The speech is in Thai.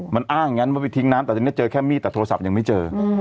มันอ้างอย่างนั้นว่าไปทิ้งน้ำแต่ตอนนี้เจอแค่มีดแต่โทรศัพท์ยังไม่เจอ